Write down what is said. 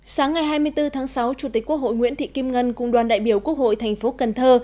sáng ngày hai mươi bốn tháng sáu chủ tịch quốc hội nguyễn thị kim ngân cùng đoàn đại biểu quốc hội thành phố cần thơ